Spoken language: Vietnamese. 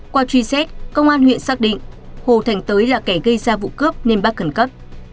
qua truy xét công an huyện xác định hồ thành tới là kẻ gây ra vụ cướp nên bắt khẩn cấp